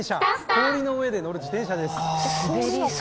氷の上で乗る自転車です。